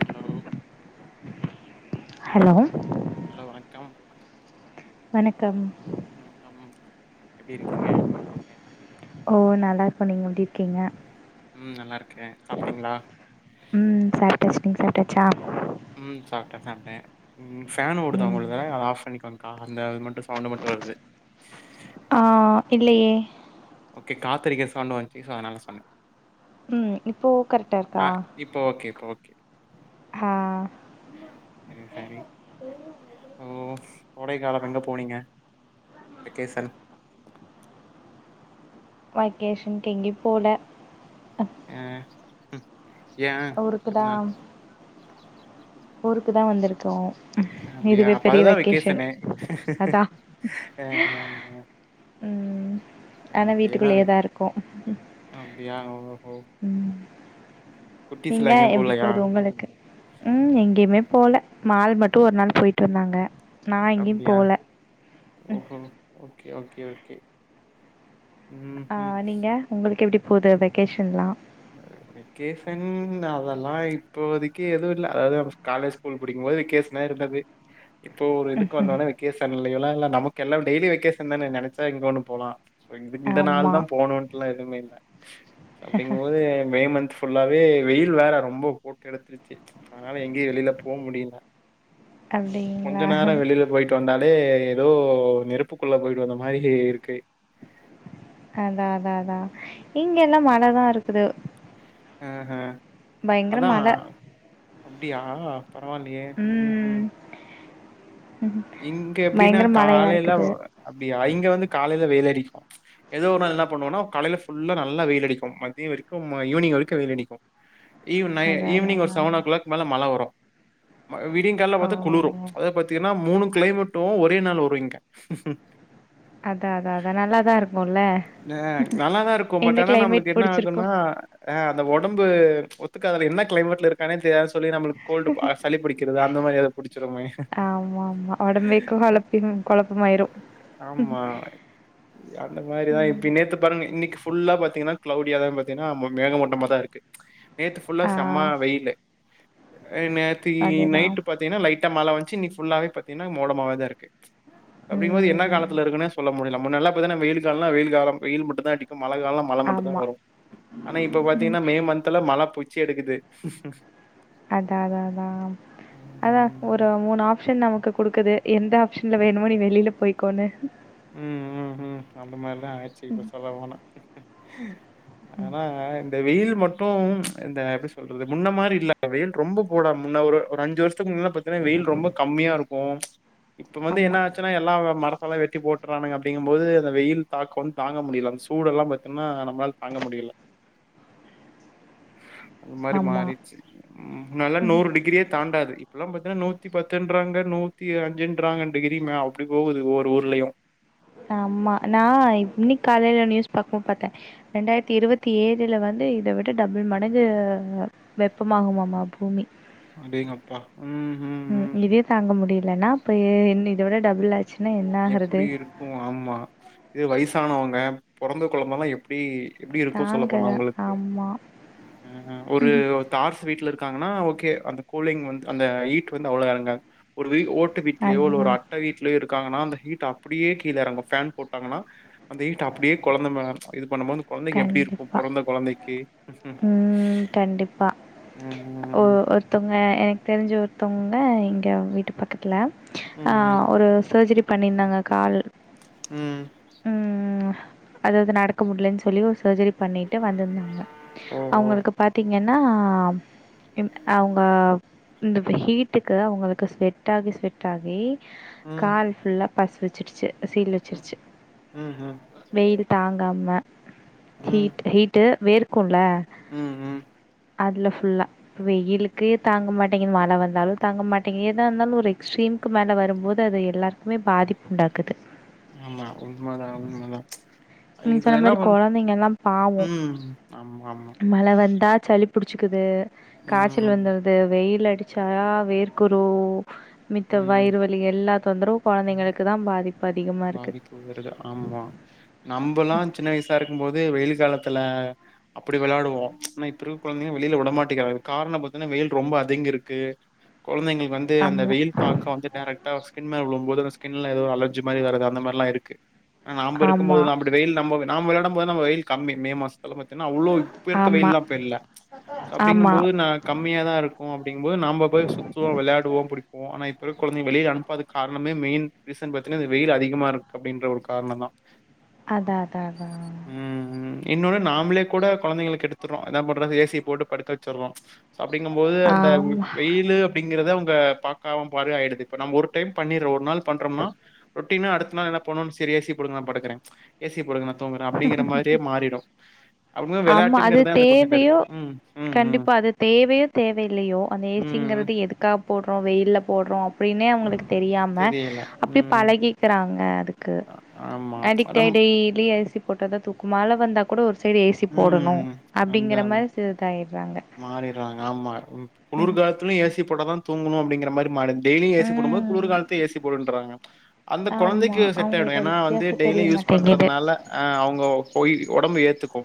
Hello hello hello வணக்கம் வணக்கம் வணக்கம் எப்டி இருக்கீங்க ஓ நல்லாருக்கோ நீங்க எப்டி இர்க்கீங்க ம் நல்லாருக்கே சாப்ட்டீங்ளா நீங் சாப்டாச்சா ம் சாப்ட்டே சாப்ட்டே ம் ஃபான் ஓடுதா ம் உங்களுக்கு அத ஆஃப் பண்ணிக்குங் கா அந்த இது மட்டு சவுண்டு மட்டு வருது அ இல்லையே கே காத்தடிக்கிற சவுண்டு வந்ச்சு சோ அதனால சொன்ன ம் இப்போ கரெக்டார்க்கா [unintelligible] செரி செரி ஓ கோடைக்காலம் எங்க போனீங்க வெக்கேசன் வக்கேஷன்க் எங்க்யு போல அ [unintelligible] ஏ ஊருக்கு எதனால தான் ஊருக்கு தா வந்திருக்கோ அப்டியா அப்ப அதுதா வெகேசனு அதான் அ அ அ ம் ஆனா வீட்டுக்குள்ளியே தா இருக்கோ அப்டியா ஓஹோ ம் நீங்க குட்டீஸ்லாம் எங்கயும் எப்டி போலயா? போது உங்களுக்கு ம் எங் போல மால் மட்டு ஒரு நாள் போயிட்டு வந்தாங்க நான் எங்கேயும் அப்டியா போகல ம் ம் ஓகே ஓக் ஓகே ஓகே ஆ ம்ஹ்ம். நீங்க உங்களுக் எப்டி போது வெக்கேஷன்ல்லா வெக்கேஸன் அதெல்லா இப்போதிக்கு எதுவு இல்ல அதாவது நம்ம காலேஜ் ஸ்கூல் படிக்கும்போது வெக்கேஸ்ன இருந்துது இப்போ ஒரு இதுக்கு வந்தவுன்னே வெக்கேஸன் பில்லயெல்லா இல்ல நமக்கு எல்லா டெய்லி வெக்கேஸன் தான நெனச்ச எங்க ஒன்னு போலா சோ இ இந்த நாள் ஆமா தா போணுன்ட்லா எதுமே இல்ல போதே மே மந்த் ஃபுல்லாவே வெயில் வேற ரொம்ப போட்டு எடுத்திருச்சு அதனால எங்கியு வெளில போ முடில கொஞ்ச அப்டிங்களா நேர வெளில போய்ட்டு வந்தால் டே ஏதோ நெருப்புக்குள்ள போய்ட்டு வந்தா மாரி இருக்கு இங்க எல்லா மழை தா இருக்குது ஹம் ஹம் பயங்கர மழ அப்டியா பரவால்லியே உம் ஹூம் ம் இங்க எப்டின்னா பயங்கர மழையா காலேல வ இருக்குது அப்டியா இங்க வந்து காலேல வெய்ல் அடிக்கு எதோ ஒரு நாள் என்னாப் பண்ணுவோனா காலைல ஃபுல்லா நல்லா வெய்லடிக்கு மத்திய வெரிக்கு ஈங்னிங் வரிக்கு வெய்லடிக்கு ஈவ் நை அதா அதா ஈவ்னிங் ஒரு அதா செவனோ க்ளாக் மேல மழ வரூ மா விடிங் கால்ல ஓ பாத்தா குளுரூ அத பாத்தீன்னா மூனு கிளைமேட்டு ஒரே நாள் வரும் இங்க அதா அதா அதா நல்லாதா இருக்குல்ல ஆ நல்லாதா இருக்கூ இந்த பட் ஆனா கிளைமேட் நம்ளுக்கு என்ன புடிச்சிருக்கு ஆகுன்னா ஆ அந்த ஒடம்பு ஒத் த்துகாது அது என்னா கிளைமேட்ல இருக்கானே தெராது சொல்லி நம்ளுக்கு கோல்டுப் ஆஹ் சளி புடிக்கிறது அந்த மாரி ஏதா புடிச்சிருமே ஒடம்பேக் கொப்பி கொழப்பமாயிரு ஆமா உம் இன்னக்கி ஃபுல்லா பாத்திங்கென்னா க்ளௌடியா தா பாத்தீன்னா மேகமூட்டமாதா இருக்கு நேத்து ஃபுல்லா ஆ செம்ம வெயிலு ஆ நேத்திகி அதுதா நைட்டு பாத்திங்னா லைட் ட மழ வஞ்ச்சி இன்னிக் ஃபுல்லாவே ப தின்னா மோடமாவேதா இருக்கு அப்டிமன்போது என்னா ம் காலத்துல இருக்குன்னு சொல்ல முடியில முன்னல்லா இப்பதான வெய்ல் காலெல்லா வெய்ல் காலம் வெய்ல் மட்டுந்தா அடிக் கும் மழ காலெல்லா மழ மட்டுந்தா ஆமா வரு ஆனா இப்ப பாத்தீங்கென்னா மே மந்தெல்லா மழ பொ ச்சி எடுக்குது அதா அத அதா அதா ஒரு ம் மூனு ஆஃப் ஷன் நமக்கு குடுக்கிது எந்த ஆப்ஷன்ல வேணுமோ நீ வெளில போய்க்கோனு ஹும் ம் ஹும் அந்த மாரிதா ஆச்சி இப்ப ம் சொல்ல போனா ஆனா இந்த வெயில் மட் ட்டும் இந்த எப்டி சொல்றது முன்ன மாரி இல்ல வெய்ல் ரொம்போ போடா முன்ன ஒரு ஒரு அஞ்சு வர்ஷத்துக்கு முன்ன பாத்தென்னா வெய்ல் ரொம்போக் கம்மியாருக்கு இப்ப வந்து ஆமா என்னா ஆச்சுன்னா எல்லாவு மரம் வெட்டி போட் [unintelligible] அப்படிங்கும்போது அந்த வெயில் தாக்க வந்து தாங்க முடில அந்த சூடெல்லா பாத்தினா நம்மளால தாங்க முடியல. [unintelligible] மாரி ஆமா மாறிச்சு உம் நல்லா ம் நூறு டிகிரியே தாண்டாது. இப்பல்லாம் பாத்தா நூத்தி பத்துன்றாங்க நூத்தி அஞ்சுன்றாங்க டிகிரிங்க அப்டி போது ஒவ்வொரு ஊர்லயும். ஆமா நான் இன்னிக்கு காலைல நியூஸ் பாக்கும்போது பாத்தேன் ரெண்டாயிரத்தி இருவத்தி ஏழுல வந்து இதை விட டபுள் மடங்கு வெப்பமாகுமாமா பூமி. அடேங்கப்பா ம் ம் உம் ம் இதே தாங்க முடியலன்னா இப்ப ஏ என்ன ஏது இத விட டபுள் [unintelligible] சென்னை என்ன ஆக்றது. உம் ஆமா இது வயசானவங்க பொறந்த கொழந்தலாம் எப்டி எப்டி இருக்கு தாங்க சொல்லப்போனா உங்களுக்கு ஆமா ம்ம் ம்ம் ஒரு ம் தார்ஸ் வீட்ல இருக் [unintelligible] ஓகே அந்த கூலிங் வந்து அந்த ஹீட் வந்து அவ்ளோவா எறங்காது ஒரு வீட் ஓட் ஓட்டு வீட்லயோ ஒரு அதுதான் அட்ட வீட்லயோ இருக் [unintelligible] ஹீ்ட் அப்படியே கீழேறங்கு பேன் போட்டாங்கன்னா அந்த ஹீட் அப்படியே கொழந்த மேல இது இப்ப வந்து கொழந்தைக்கு எப்டி இருக்கும் கண்டிப்பா பொறந்த கொழந்தைக்கு ஹ்ம்ம். ஓ ஒருத்தங்க எனக் தெரிஞ்ச ஒருத்தவங்க இங்க வீட்டு பக்கத்துல. ம் ம் ஆஹ் ஒரு சர்ஜரி. பண்ணியிருந்தாங்க கால் ம் உம் உம்ஹ். அதாவது நடக்க முடியலன்னு சொல்லி ஒரு சர்ஜரிப் பண்ணிட்டு வந்திருந்தாங்க ஓ ஓ அவங்களுக்கு பார்த்தீங் ஏன்னா அவங்க இந்த ஹீட்டுக்கு அவங்களுக்கு ஸ்வெட் ஆகி ஸ்வெட் ஆகி. ம் கால் ஃபுல்லா. பஸ் வச்சிடுச்சு. சீல் ம் வச்சிருச்சு. ம் ம் வெயில் தாங்காம ம் ஹீட் ஹீட் கு வேர்கு போல ம் ம் அதில ஃபுல்லா வெயிலுக்கே தாங்க மாட்டேங்கிது மழை வந்தாலும் தாங்க மாட்டேங்கிது எதா இருந்தாலும் ஒரு எக்ஸ்ட்ரீமுக்கு மேல வரும்போது அது எல்லாருக்குமே பாதிப்பு உண்டாக்குது ஆமா உண்மைாதா உண்மைாதா ச் நீங்க இதுல சொன்ன என்ன மாரி பண்ற குழந்தைங்கலாம் பாவம். உம் ஆமா ஆமா பிடிச்சிக்குது காய்ச்சல் ம் வந்தது வெயில் அடிக் படிச்சாரா வேர்க்குரு மித்த ம் வையிறுவலி எல்லா தொந்தரவு குழந்தைங்களுக்கு தான் பாதிப்பு அது வாங்கிக் [unintelligible] ஆமா நம்மல்லாம் சின்ன வயசா இருக்கும் போது வெயிலுக்கு வெயில் காலத்துல அப்படி விளையாடுவோம் ஆனா இப்பிருக்க குழந்தைங்க வெளியில விடமாட்டிக்கிறாங்க காரணம் பத்தீயனா வெயில் ரொம்ப அதிங்கிருக்கு குழந்தைளுக்கு வந்து அந்த ஆமா. வெயில் தாக்கம் வந்து டைரக்டா ஸ்கின் மேலே விழும் போது ஸ்கின்ல ஏதோ அலர்ஜி [unintelligible] மாரிவரது அந்த மாதிரிலாம் இருக்கு நாம்ப இருக்கு ஆமா. போதான் அம்புட்டு வெயில் நம்ப நாம விளயாடும் போது வெயில் கம்மி மே மாசம் பாத்தன்னா அவ்ளோ இப்ப இருக்க ஆமா. வெயில்லாம் அப்ப இல்ல அப்படிங்கும் ஆமா. போது நா கம்மியா தான் இருக்கும் அப்படிங்கும் போது நாம போய் சுத்துவோம் விளையாடுவோம் பிடிப்போம் ஆனா இப்ப இப்பருக்க குழந்தைய வெளிய அனுப்பாத காரணமே மெயின் ரீசன் ப என்ன இந்த வெயில் அதிகமா இருக்கு அப்படின்ற ஒரு காரணம் தான் அதான் அதான் அதான் ம். இன்னொன்னு நாமளே கூட குழந்தைங்கள கெடுத்துறோம் என்ன பண்றது ஏசி போட்டு படுக்க வச்சடுறோம் ச் அப்படிங்கும் போது அந்த ஆமா. வெயிலு அப்படிங்கறத ப்ப பாக்கம பாரு ஆயிடுது இப்ப நம்ம ஒரு டைம் பண்ணிரு ஒர்நாள் பண்றோம்னா ரொட்டினா அடுத்த நாள் என்ன பண்ணுவோ சரி ஏசி போடுங்க நா படுக்குறேன் ச் ஏசிய போடுங்க தூங்குறே அப்படிங்கிற மாதிரியே மாறிடும் அப்படிங்கும்போது ஆமா அது விளையாட்டுங்கிறதே அந்த பசங்கள்ட்ட தேவையோ இருக்கு. ம், ம், ம், கண்டிப்பா அது தேவையோ தேவையில்லையோ அந்த ம், ஏசிங்கிறது எதுக்காக போடுறோம் வெயில போடுறோம் அப்படின்னே அவுகளுக் தெரியாம தெரியல. அப்படி ம். பழகிக்கிறாங்க க்கு அ ஆமா. அடி நம் [unintelligible] போட்டாதா தூக்குமா மழ வந்தா கூட ஒரு சைடு ஏசி போடணும் அப்படிங்கற மாதிரி சிறிதாய மாறிட்றாங்க ஆமா குளுர் ம் காலத்திலயயு ஏ சி போட்டா தா தூங்கணு அப்படிங்கிற மாிமாட டெய்லியு ஏசி போடும்போது குளுர் ம் காலத்துலயு ஏசி போடுன்றாங்க. அந்த ஆமா கொழந்தைக்கு செட் ஆயிடும் அவங்களுக்கு அது ஏன்னா வந்து வித்தியாசோ டெய்லி தெரிய யூஸ் மாட்டேங்குது பண்றதுனால அ அவுங்க போயி ஒடம்பு ஏத்துக்கு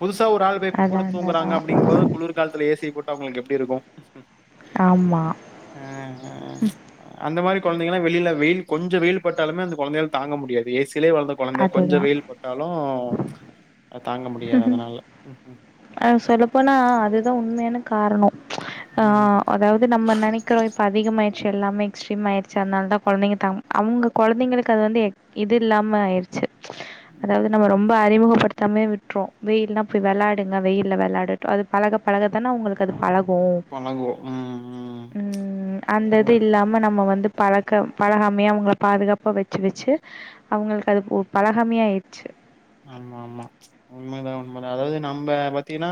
புதுசா ஒரு ஆள்வே கூட அதான அதா தூங்குறாங்க அப்டிங்போது [unintelligible] காலத்துல ஏசிய போட்டா உங்களுக்கு எப்டி இருக்கு ஆமா அ அ அந்த மாரி கொழந்தைங்களா வெளியில வெயில் கொஞ்சொ வெயில் பட்டாலுமே அந்த கொழந்தையால் தாங்க முடியாது ஏஸ் சிலே வளந்த கொழந்த கொஞ்சொ அதுதா வெயில் பட்டாலு சொல்லப்போனா அது தா உண்மையான காரணொ ஆ ம் அதாவ்து நம்ம நெனைக்கிறோ இப்ப அதிகமாய் எல்லாமே எக்ஸ்ட்ரீம்மாயிடுச்சு அதனாலதா கொழந்தைங்க தம் அவுங்க கொழந்தைங்களுக்கு அது வந்து இது இல்லாம ஆயிருச்சு. அதாவது நம்ம ரொம் ப அறிமுகப்படுத்தாமயே விட் றொ வெயில்னா போய் வெளாடுங்க வெயில்ல வெளாடட்டு அது பழகப் பழக தான உங்களுக்கு அது பழ கு பழகுவோ ம் ம் ம் அந்த இது அதா இல்லாம நம்ம வந்து பழக்கம் பழகாமையே அவ்ங்கள பாதுகாப்பா வச்சு வச்சு அவ்ங்களுக்கு அது உ பழஹாமையா ஆயிர்ச்சி ஆமா ஆமா உண்மைதா உண்மைதா அதாவது நம்ம பாத்தீகன்னா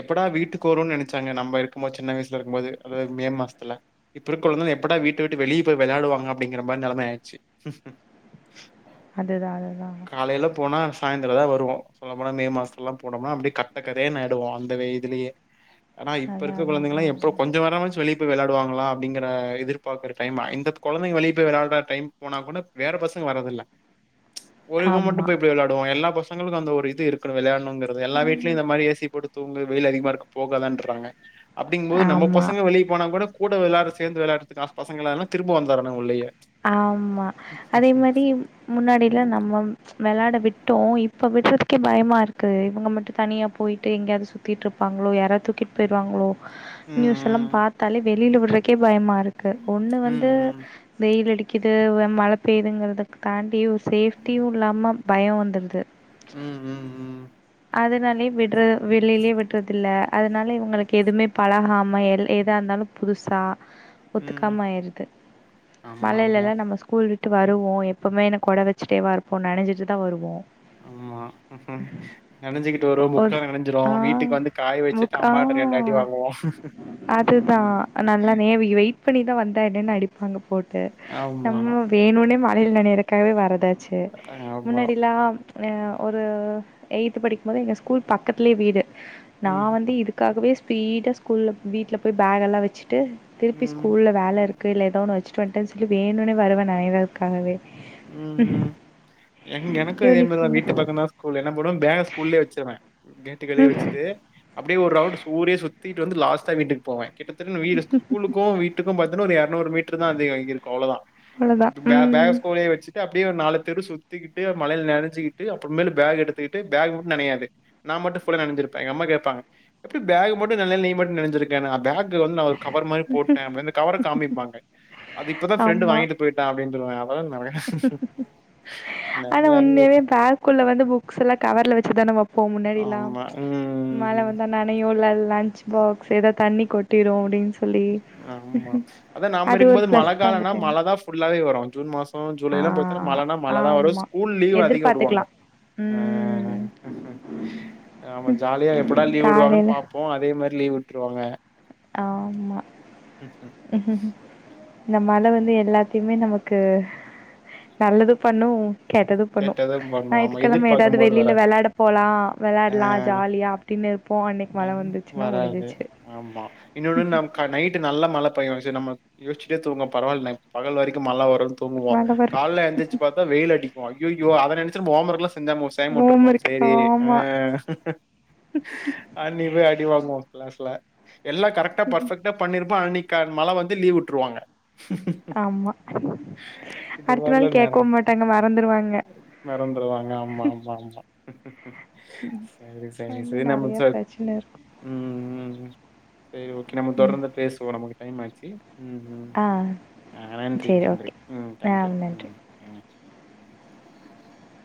எப்படா வீட்டுக்கு வருவோன்னு நெனச்சாங்க நம்ம இருக்கும் போது சின்ன வயசுல இருக்கும்போது அதாவது மே மாசத்துல இப்ப இருக்கந்தாலும் எப்படா வீட்ட வீட்டு வெளிய போய் வெளையாடுவாங்க அப்டிங்கிற மாரி நெலம ஆயிச்சு. அதுதா அதுதா சாய்ந்தரதா வருவோ சொல்ல போனா மே மாசத்துலல்லா போனோம்னா அப்டியே கட்டக்கதே நாயிடுவோ அந்த வெயிதுலயே ஆனா இப்ப அதான் இருக்க அதான் கொழந்தைங்கலா அதான் எப்போ கொஞ்சொ வாரம்மாச்சி வெளிய [unintelligible] வெளயாடுவாங்களா அப்டிங்கற எதிர்பார்கற டைம் இந்த கொழந்தைங்க வெளிய போய் வெளயாட்ற டைம் போனா கூட வேற பசங்க வரதில்ல. ஒரு இவ மட்டு ஆமா போய்போய் வெளயா இப்போ எல்லா பசங்களுக்கு அந்த ஒரு இது இருக்குனு வெளையாண் னோங்குறது எல்லா ம் வீட்லயு இந்த மாரி ஏசி போட்டு தூங்கு வெய்லு அதிகமா இருக்கு போகாதன்றாங்க அப்டிங்கு போது நம்ம ஆமா, பசங்க வெளிய போனா கூட கூட வெளாடற சேந்து வெளாடறதுக்க ஆச பசங்களனா திரும்ப வந்தரானுக உள்ளயே ஆமா அதே மாரி முன்னாடியெல்லா நம்ம ம்ச் வெளாட விட் விட்டோ இப்போ விடறதுக்கே பயமா இருக்கு இவுங்க மட்டு தனியா போயிட்டு எங்கேயாது சுத்திட்ருப்பாங்ளோ யாரோ தூக்கிட் போயிருவாங்ளோ நியூஸ் எல்லாம் ம் பாத்தாலே வெ வெளில விட்றக்கே பயமா ருக்கு ஒன்னு ம் வந்து ம் வெயிலு அடிக்குது மழை பெய்துங்கறத தாண்டி ஒரு சேஃப்டியும் இல்லாம பயம் வந்துறுது ம் ம் ம் அதனாலயே விடுறது வெளிலே விட்டறது இல்லை அதனால இவங்களுக்கு எதுவுமே பழகாமையே எதா இருந்தாலும் புதுசா ம் ஒத்துக்காம ஆயிருது ஆமா ஆமா மழையிலலாம் நம்ம ஸ்கூ ஸ்கூல் விட்டு வருவோம் எப்பவுமே என்ன கொட வச்சிட்டேவா இருப்போம் நனஞ்சிட்டு தான் வருவோம் ஆமா நெனஞ்சிகிட்டு வருவோ ஒரு புக்கலா நெனஞ்சிரு ஆ வீட்டுக்கு வந்து காய வெச்சுட்டு புக் ஆ அம்மாட்ட ரெண்டு அடி வாங்குவோ அதுதான் ஆனு போட்டு நம்ம வேணுனே மா வேல் நெனயறக்காகவே வரது சேர் ஆமா முன்னாடியெல்லாம் எ ஒரு எய்த்து படிக்கும்போது எங்க ஸ்கூல் பக்கத்துலயே வீடு நா ம் வந்து இதுக்காகவே ஃபீடா ஸ்கூல்ல வீட்ல போய் பேகெல்லா வெச்சு ட்டு திருப்பி ம் ஸ்கூல்ல வேல இரு கைல எதோ ஒன்னு வெச்சு டொன்ட்டெஸ்க்கு வேணுனே வருவேன் நைனையதற்காகவே ம் ம் எங்க எனக்கு இதே மாரிதா யூனிஃபார்மு வீட்டு பக்கந்தா ஸ்கூல் என்ன பண்ணுவ பேக ஸ்கூல்லயே வெச்சர்ற டுகளே ம் வெச்ட்டு அப்டியே ஒர் ரௌண்ட் சு ஊரே சுத் தியிட்டு வந்து லாஸ்ட்டா வீட்டுக் போவே கிட்டத்தட்ட ந வீ ஸ்கூலுக்கு வீட்டுக்கும் பாத் தினா ஒரு எறநூறு மீட்ருதா அதிகொருக்கு அவ்ளொதா அவ்ளதா ம் ச்சிட்டு அப்டியே ஒர் நாலு தெரு சுத்திக்கிட்டு மழைல நனஞ்சிக்கிட்டு அப்றமேலு பேக எடுத்துக்கிட்டு பேக் மட்டு நனையாது நா மட்டு ஃபுலா நெனஞ்சிருப்ப எங்க அம்மா கேப்பாங்க எப்டி பேகு மட்டு நனைல் நீ மட்டு நெனஞ்சிருக்கனு அ பேக் கு வந்து தா ஒரு கவர் மாரி போட்டே அப்ப அந்த கவர காமிப்பாங்க அது இப்பதா ஃப்ரெண்டு ஆமா வாங்கிட்டு போயிட்டா அப்டின் ருவா [unintelligible] ஆனா நிறைய உண்மயாவே பேக்குள்ள வந்து புக்ஸ்ஸெல்லா கவர்ல வச்சுதான வெப்போ முன்னாடில்லா ஆமா மழ உம் வந்தா நனையு இல்ல லன்ச் பாக்ஸ் எதா தண்ணி கொட்டிரு அப்டின் சொ ஆமா அதா நாம்ப ஒரு இருக்கம்போது மழ பிளஸ் தா அந்த காலன்னா டைம்ல மழதா ஃபுல்லாவே வரு ஜூன் மாஸ் ஒ ஜூலையெல்லா பாத்தீனா ஆ மழனா மழைதா வரு ஆமா ஸ்கூல் லீவ் அதிகொ உடுவாங்க எதிர்பாத்துக்கலா ஆ ம் ஆமா ஜாலியா எப்படா லீவ் விடுவாங்கன் காலைல பாப்போ அதே மாரி லீவ் விட்ருவாங்க ஆ மா இந்த மழை வந்து எல்லாத்தையுமே நமக்கு நல்லது பண்ணு கேட்டதுும் பண்ணு கேட்டதும் பண்ணுவோம். ஆமா ஞாயித்திக்கிழம ஏதாவது எதிர்பார்க்கும்போது வெளியில வராது. வெளாட போலா ஆ வெளாட்லா ஜாலியா அப்புடின்னு அ வராது ஆமா இன்னொன்னு நம் க நைட்டு நல்லா மழைப் ப்ப யோஸ்டே நம்ம இப்டி யோஸ்ச்சிட்டே தூங்கம் பரவால் நா இப் பகல் வரைக்கும் மழை வருன் ஸ் துங்குவா மழ வர கால்ல எந்திரிச்சு பாத்தா வெயில் அடிக்கு அய்யயோ அத நெனச்சா ஹோம்வர்க்லா செஞ்சோமொ செயாம உட்டருப்போ ஹோம்வொர்க் சரி ஆமா, ஆஹ். அனிக்கு போய் அடி வாங்குவோ கிளாஸ்ல. எல்லா கரெக்டா பர்ஃபக்டா பண்ணிருப்போ அன்னைக் க மழ வந்து லீவ் உட்டுருவாங்க‌ ஆமா. இந்த அடுத்த மாரில நாள் நெறை கேட்கவும் மாட்டாங்க, மறந்துருவாங்க. மறந்துருவாங்க ஆமா ஆமா ஆமா சரி சரி அது மாரி சரி நம்ம நெறைய சொ பிரச்சனை இருக்கும். உம் உம் சரி ஓகே நம்ம ம். தொடர்ந்து பேசுவோம் நமக்கு டைம் ஆய்ச்சி. உம் உம் ஆ ஆ நன்றி சரி நன்றி ஓகே. உம் ஆ தேங்க்யூ நன்றி. ம் ம். [inaudible]